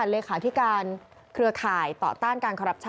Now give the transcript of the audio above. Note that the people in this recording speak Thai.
รัฐธรรมนุนที่การเคลือข่าวต่อดต้านการคอลับชัน